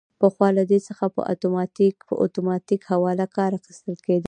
پخوا له دې څخه په اتوماتیک حواله کار اخیستل کیده.